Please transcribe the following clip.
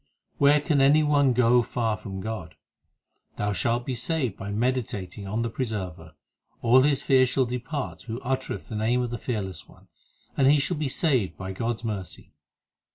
7 Where can any one go far from God ? Thou shalt be saved by meditating on the Preserver. All his fear shall depart who uttereth the name of the Fearless One, And he shall be saved by God s mercy.